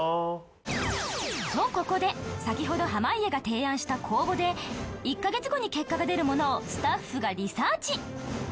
とここで先ほど濱家が提案した公募で１カ月後に結果が出るものをスタッフがリサーチ